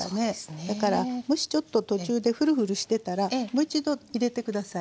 だからもしちょっと途中でフルフルしてたらもう一度入れて下さい。